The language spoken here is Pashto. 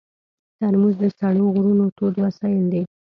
ترموز د سړو غرونو تود وسایل دي.